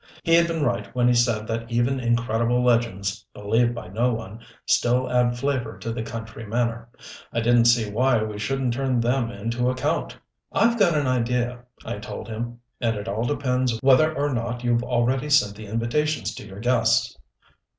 He had been right when he said that even incredible legends, believed by no one, still add flavor to the country manor. I didn't see why we shouldn't turn them into account. "I've got an idea," I told him, "and it all depends whether or not you've already sent the invitations to your guests."